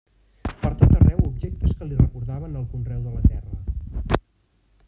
Pertot arreu objectes que li recordaven el conreu de la terra.